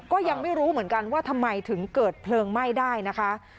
ก็ยังไม่รู้เหมือนกันว่าทำไมถึงเกิดเพลิงไหม้ได้นะคะ